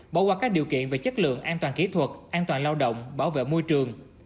bỏ qua các điều kiện về chất lượng an toàn kỹ thuật an toàn lao động bảo vệ môi trường